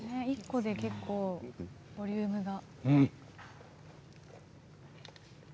１個で結構ボリュームが。